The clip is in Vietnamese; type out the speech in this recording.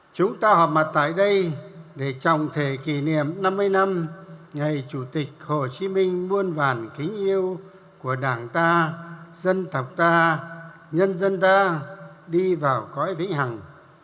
chúng ta họp mặt tại đây để trọng thể kỷ niệm năm mươi năm ngày chủ tịch hồ chí minh muôn vàn kính yêu của đảng ta dân tộc ta nhân dân ta đi vào cõi vĩnh hằng